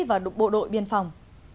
và bộ đội biên phòng